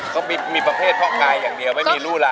ก็มีประเภทเพาะกายอย่างเดียวไม่มีรูแล้ว